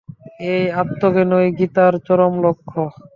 এই আত্মজ্ঞানই গীতার চরম লক্ষ্য।